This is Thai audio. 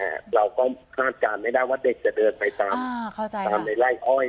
แต่เราก็คาดการณ์ไม่ได้ว่าเด็กจะเดินไปตามในไล่อ้อย